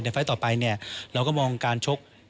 ไฟล์ต่อไปเราก็มองการชก